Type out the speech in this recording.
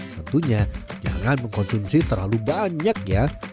tentunya jangan mengkonsumsi terlalu banyak ya